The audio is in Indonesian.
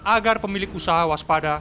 agar pemilik usaha